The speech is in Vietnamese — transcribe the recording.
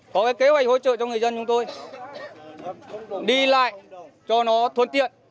có cái kế hoạch hỗ trợ cho người dân chúng tôi đi lại cho nó thuận tiện